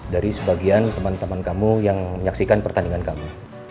dari sebagian teman teman kamu yang menyaksikan pertandingan kami